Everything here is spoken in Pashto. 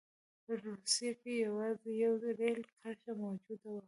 په روسیه کې یوازې یوه رېل کرښه موجوده وه.